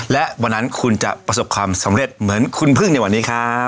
และวันนั้นคุณจะประสบความสำเร็จเหมือนคุณพึ่งในวันนี้ครับ